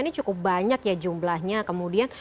ini cukup banyak ya jumlahnya kemudian